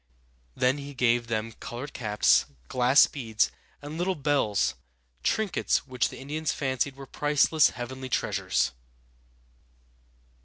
Then he gave them colored caps, glass beads, and little bells, trinkets which the Indians fancied were priceless heavenly treasures!